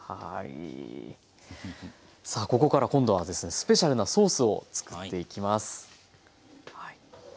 さあここから今度はスペシャルなソースを作っていきます。